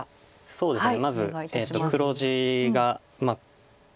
そうですね。